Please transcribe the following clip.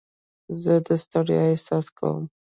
زه د ستړیا احساس کوم.